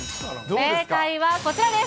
正解はこちらです。